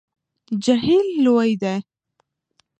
جهیل لوی دی